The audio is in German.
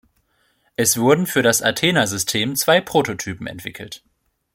Es wurden für das Athena-System zwei Prototypen entwickelt.